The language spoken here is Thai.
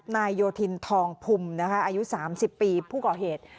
นายโยธินทองพุมอายุ๓๐ปีผู้ก่อเหตุ